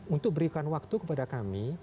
untuk berikan waktu kepada kami